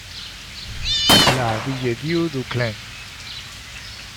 La Villedieu-du-Clain